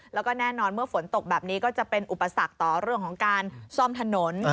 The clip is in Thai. แล้วก็แน่นอนเมื่อฝนตกแบบนี้ก็จะเป็นอุปสรรคต่อเรื่องของการซ่อมถนน